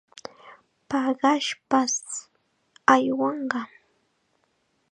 Paqaspash aywanqa.